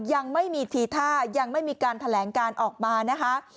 ยังไม่มีทีท่ายังไม่มีการแถลงการออกมานะคะ